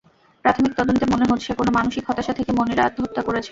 প্রাথমিক তদন্তে মনে হচ্ছে, কোনো মানসিক হতাশা থেকে মনিরা আত্মহত্যা করেছেন।